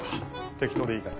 適当でいいから。